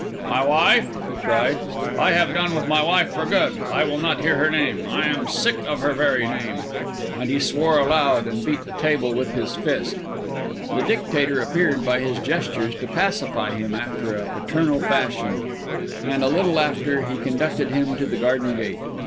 "My wife?" he cried. "I have done with my wife for good. I will not hear her name. I am sick of her very name." And he swore aloud and beat the table with his fist. The Dictator appeared, by his gestures, to pacify him after a paternal fashion; and a little after he conducted him to the garden gate.